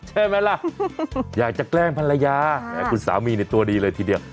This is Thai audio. ใช่ไหมล่ะอยากจะแกล้งภรรยาแหมคุณสามีเนี่ยตัวดีเลยทีเดียว